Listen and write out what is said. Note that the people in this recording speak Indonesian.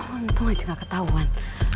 untung aja gak ketahuan